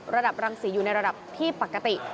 ระดับรังสีอยู่ในระดับที่ปกติ